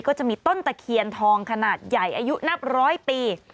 ก็จะมีต้นตะเคียนทองขนาดใหญ่อายุนับร้อยปี